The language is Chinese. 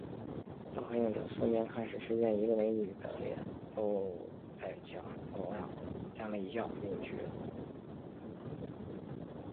答应着，四面看时，却见一个美女的脸露在墙头上，向他一笑，隐去了